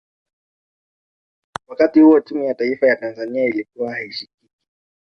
wakati huo timu ya taifa ya tanzania ilikuwa haishikiki